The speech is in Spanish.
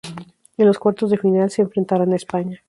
En los cuartos de final se enfrentarán a España.